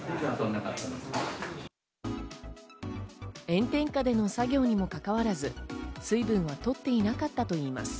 炎天下での作業にもかかわらず、水分は取っていなかったといいます。